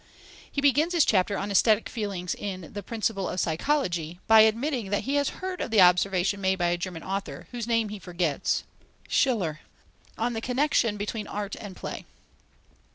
He begins his chapter on aesthetic feelings in the Principles of Psychology by admitting that he has heard of the observation made by a German author, whose name he forgets (Schiller!), on the connexion between art and play.